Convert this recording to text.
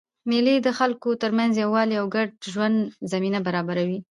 مېلې د خلکو ترمنځ د یووالي او ګډ ژوند زمینه برابروي.